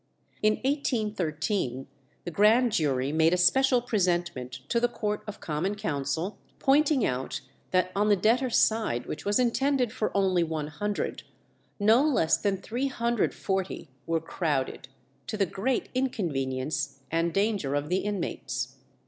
In 1813 the grand jury made a special presentment to the Court of Common Council, pointing out that on the debtors' side, which was intended for only 100, no less than 340 were crowded, to the great inconvenience and danger of the inmates.